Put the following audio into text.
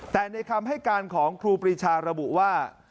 แต่ในคำให้การของครูปรีชาระบุว่า